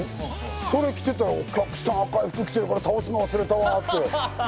それ着てたら、お客さん、赤い服着てるから、倒すの忘れたわって。